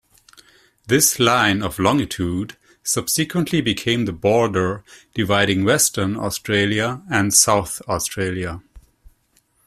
This line of longitude subsequently became the border dividing Western Australia and South Australia.